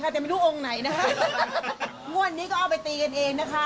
เชื่อค่ะเชื่อร้อยเปอร์เซ็นต์เลยค่ะเรื่องอย่างนี้